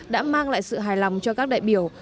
đã mang lại sự hài lòng cho các đại biểu